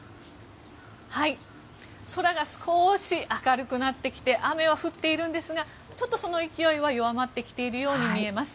空が少し明るくなってきて雨は降っているんですがちょっとその勢いは弱まってきているように見えます。